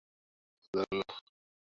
এবার বিন্দুর এই অবস্থা দাড়াইল।